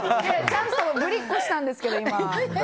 ちゃんとぶりっこしたんですけど。